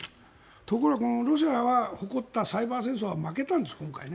ところがこのロシアが誇ったサイバー戦争は負けたんです、今回ね。